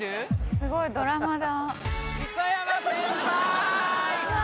すごい！ドラマだ。